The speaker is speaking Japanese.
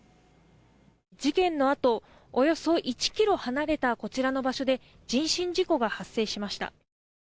事件のあとおよそ１ｋｍ離れたこちらの場所で人身事故が発生しました。